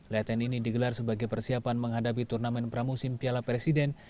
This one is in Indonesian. latihan ini digelar sebagai persiapan menghadapi turnamen pramusim piala presiden